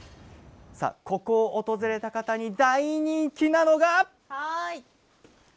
ここを訪れた方に大人気なのが。